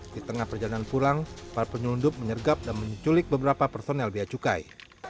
di tengah perjalanan pulang para penyelundup menyergap dan menculik beberapa personel biaya cukai